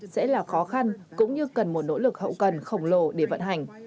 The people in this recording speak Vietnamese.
sẽ là khó khăn cũng như cần một nỗ lực hậu cần khổng lồ để vận hành